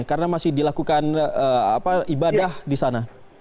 karena masih dilakukan ibadah di sana